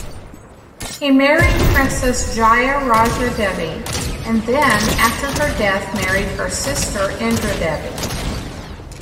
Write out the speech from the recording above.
He married Princess Jayarajadevi and then, after her death, married her sister Indradevi.